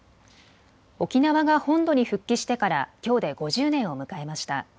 沖縄が本土に復帰してからきょうで５０年を迎えました。